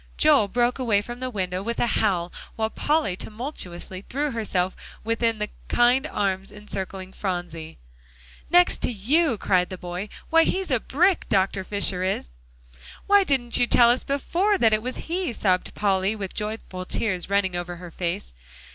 Joel broke away from the window with a howl, while Polly tumultuously threw herself within the kind arms encircling Phronsie. "Next to you," cried the boy, "why, he's a brick, Dr. Fisher is!" "Why didn't you tell us before that it was he?" sobbed Polly, with joyful tears running over her face.